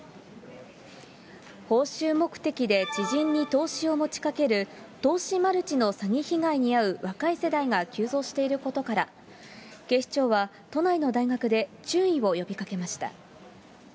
報酬目的で知人に投資を持ちかける、投資マルチの詐欺被害に遭う若い世代が急増していることから、警視庁は都内の大学で注意を呼びかけました。